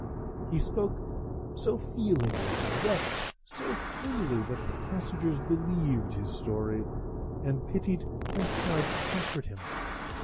He spoke so feelingly, and wept so freely, that the passengers believed his story, and pitied and tried to comfort him.